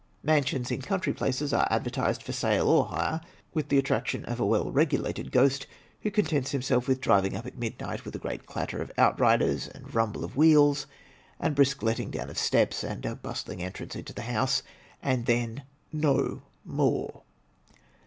Mansions in country places are advertised for sale or hire, with the attraction of a well regulated ghost, who contents himself with driving up at midnight with a great clatter of outriders, and rimible of wheels, and brisk letting down of steps, and a bustling entrance into the house, and then no more.